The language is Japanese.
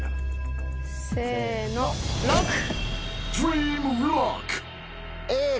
せのＬＯＣＫ！